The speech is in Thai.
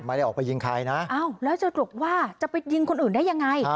ไม่ได้ออกไปยิงใครนะอ้าวแล้วจะตลุกว่าจะไปยิงคนอื่นได้ยังไง